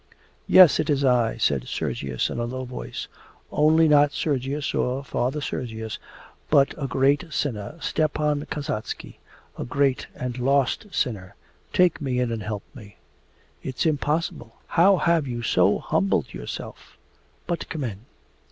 'Yes, it is I,' said Sergius in a low voice. 'Only not Sergius, or Father Sergius, but a great sinner, Stepan Kasatsky a great and lost sinner. Take me in and help me!' 'It's impossible! How have you so humbled yourself? But come in.